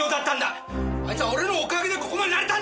あいつは俺のおかげでここまでなれたんだ！